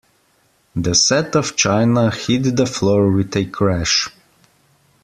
The set of china hit the floor with a crash.